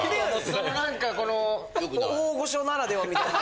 その何かこの大御所ならではみたいな。